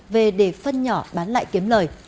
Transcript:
về để phân nhỏ bán lại kiếm lời